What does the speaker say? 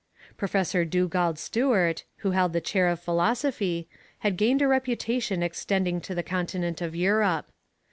Professor Dugald Stewart, who held the chair of philosophy, had gained a reputation extending to the continent of Europe.